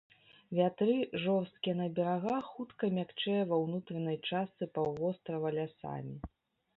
Вятры, жорсткія на берагах, хутка мякчэе ва ўнутранай частцы паўвострава лясамі.